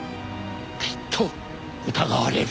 きっと疑われる。